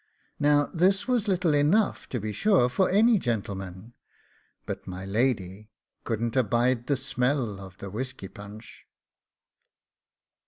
Now this was little enough, to be sure, for any gentleman; but my lady couldn't abide the smell of the whisky punch.